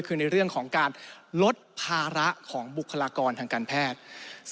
คือในเรื่องของการลดภาระของบุคลากรทางการแพทย์